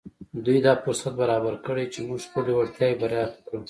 دوی دا فرصت برابر کړی چې موږ خپلې وړتیاوې پراخې کړو